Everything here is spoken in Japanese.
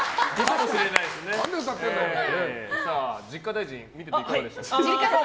実家大臣見てていかがでしたか？